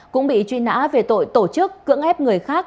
cũng bị truy nã về tội tổ chức cưỡng ép người khác